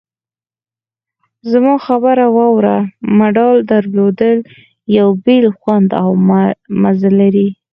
زما خبره واوره! مډال درلودل یو بېل خوند او مزه لري.